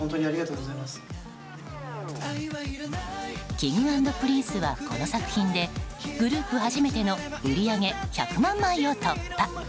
Ｋｉｎｇ＆Ｐｒｉｎｃｅはこの作品でグループ初めての売り上げ１００万枚を突破。